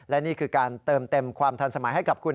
และนี่คือการเติมเต็มความทันสมัยให้กับคุณ